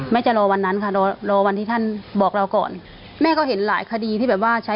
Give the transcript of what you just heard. แม่คิดว่าท่านคงไม่ขายหน้าหรอกฮะ